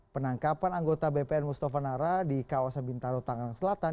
penangkapan anggota bpn mustafa nara di kawasan bintaro tangerang selatan